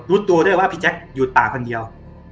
รู้ตัวด้วยว่าพี่แจ๊คอยู่ป่าคนเดียว